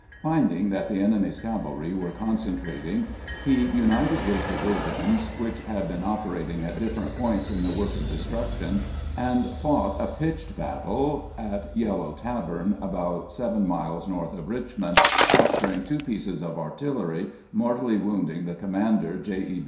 Finding that the enemy's cavalry were concentrating, he united his diAdsions, which had been operating at different points in the work of destruction, and fought a pitched battle at Yellow Tavern, about seven miles north of Richmond, capturing two pieces of artillery, mortally wounding the commander, J. E.